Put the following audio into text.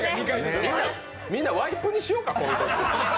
みんなワイプにしようか。